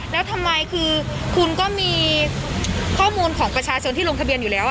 แล้วทำไมคือคุณก็มีข้อมูลของประชาชนที่ลงทะเบียนอยู่แล้ว